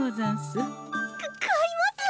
か買います！